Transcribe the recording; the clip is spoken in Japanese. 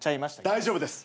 大丈夫です。